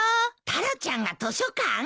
タラちゃんが図書館？